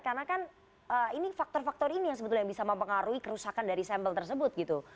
karena kan ini faktor faktor ini yang sebetulnya bisa mempengaruhi kerusakan dari sampel tersebut gitu